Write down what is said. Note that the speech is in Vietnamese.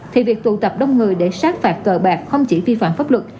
thì việc tụ tập đông người để sát phạt cờ bạc không chỉ vi phạm pháp luật